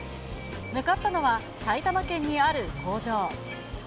向かったのは、埼玉県にある工場。